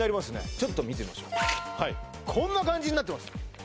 ちょっと見てみましょうこんな感じになってます